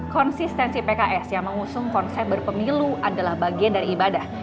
konsistensi pks yang mengusung konsep berpemilu adalah bagian dari ibadah